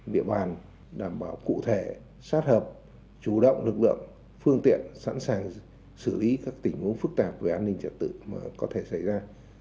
địa bàn đảm bảo cụ thể sát hợp chủ động lực lượng phương tiện sẵn sàng xử lý các tình huống phức tạp về an ninh trật tự có thể xảy ra